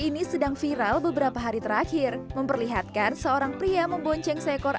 ini sedang viral beberapa hari terakhir memperlihatkan seorang pria membonceng seekor